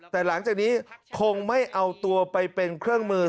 แต่หลังจากนี้คงไม่เอาตัวไปเป็นเครื่องมือ